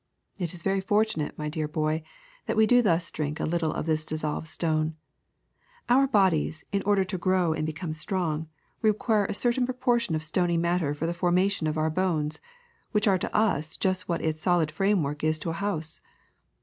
It is very fortunate, my dear boy, that we do thus drink a little of this dissolved stone. Our bodies, in order to grow and become strong, require a certain proportion of stony matter for the forma tion of our bones, which are to us what its solid framework is to a house.